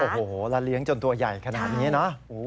โอ้โหแล้วเลี้ยงจนตัวใหญ่ขนาดนี้เนอะ